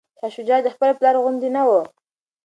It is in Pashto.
شاه شجاع د خپل پلار غوندې نه و.